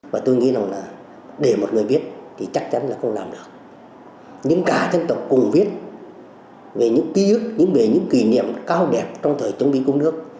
và tôi nghĩ là để một người biết thì chắc chắn là không làm được những cả dân tộc cùng viết về những ký ức về những kỷ niệm cao đẹp trong thời chống bị cung nước